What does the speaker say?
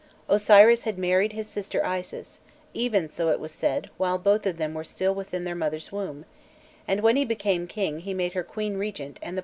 Osiris had married his sister Isis, even, so it was said, while both of them were still within their mother's womb;[] and when he became king he made her queen regent and the partner of all his undertakings.